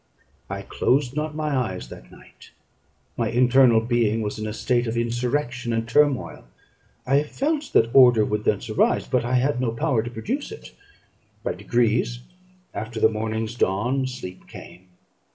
I closed not my eyes that night. My internal being was in a state of insurrection and turmoil; I felt that order would thence arise, but I had no power to produce it. By degrees, after the morning's dawn, sleep came.